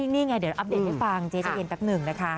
นี่ไงเดี๋ยวอัปเดตให้ฟังเจ๊ใจเย็นแป๊บหนึ่งนะคะ